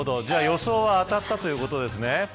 予想は当たったということですね。